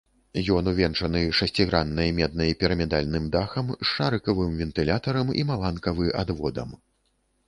Ён увенчаны шасціграннай меднай пірамідальным дахам з шарыкавым вентылятарам і маланкавы адводам.